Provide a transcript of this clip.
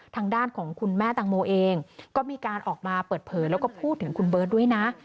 ทางด้านของคุณแม่ตังโมเองก็มีการออกมาเปิดเผยแล้วก็พูดถึงคุณเบิร์ตด้วยนะ